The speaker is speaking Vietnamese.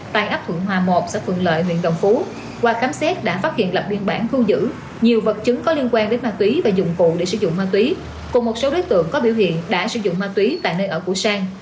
tại ấp thuận hòa một xã phường lợi huyện đồng phú qua khám xét đã phát hiện lập biên bản thu giữ nhiều vật chứng có liên quan đến ma túy và dụng cụ để sử dụng ma túy cùng một số đối tượng có biểu hiện đã sử dụng ma túy tại nơi ở của sang